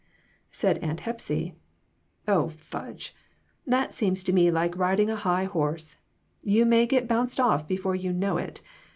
Said Aunt Hepsy " Oh, fudge! That seems to me like riding a high horse; you may get bounced off before you know it.